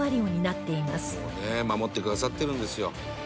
「もうね守ってくださってるんですよ」